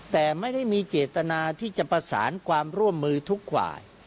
แต่ไม่ได้มีเจตนาที่จะประสานความร่วมมือทุกฝ่าย